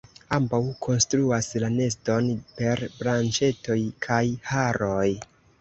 Ambaŭ konstruas la neston per branĉetoj kaj haroj.